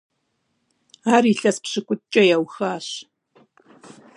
Ар илъэс пщыкӏутӏкӀэ яухуащ.